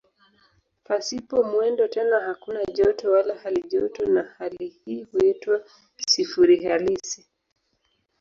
Pasipo mwendo tena hakuna joto wala halijoto na hali hii huitwa "sifuri halisi".